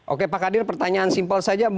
oke pak kadir pertanyaan simpel saja